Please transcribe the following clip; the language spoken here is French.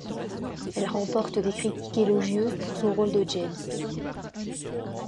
Elle remporte des critiques élogieuses pour son rôle de James.